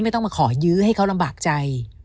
ไม่ต้องมาขอยื้อให้เขาลำบากใจ